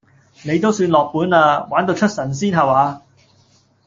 你都算落本喇，玩到出神仙吓話